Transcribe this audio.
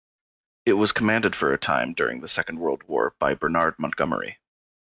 It was commanded for a time, during the Second World War, by Bernard Montgomery.